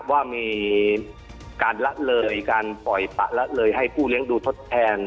ว่ามีการละเลยการปล่อยปะละเลยให้ผู้เลี้ยงดูทดแทน